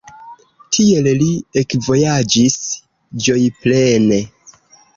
Tiel li ekvojaĝis ĝojplene.